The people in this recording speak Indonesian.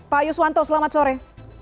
pak yuswanto selamat sore